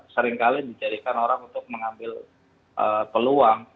seringkali dijadikan orang untuk mengambil peluang